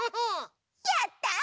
やった！